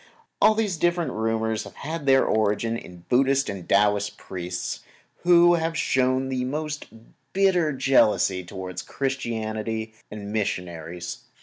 All these different rumors have had their origin in Buddhist and Taoist priests, who have shown most bitter jealousy toward Christianity and missionaries.